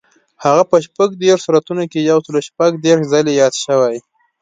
هغه په شپږ دېرش سورتونو کې یو سل شپږ دېرش ځلي یاد شوی.